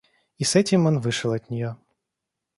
И с этим он вышел от нее.